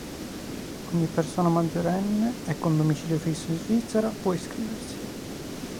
Ogni persona maggiorenne e con domicilio fisso in Svizzera può iscriversi.